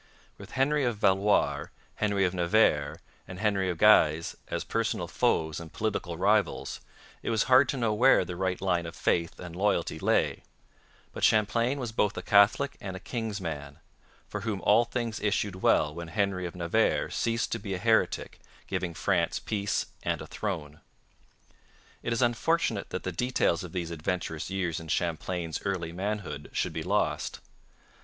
With Henry of Valois, Henry of Navarre, and Henry of Guise as personal foes and political rivals, it was hard to know where the right line of faith and loyalty lay; but Champlain was both a Catholic and a king's man, for whom all things issued well when Henry of Navarre ceased to be a heretic, giving France peace and a throne. It is unfortunate that the details of these adventurous years in Champlain's early manhood should be lost.